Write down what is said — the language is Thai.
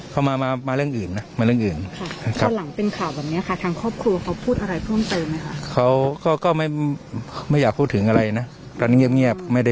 เขาก็ซึกเสียใจนะ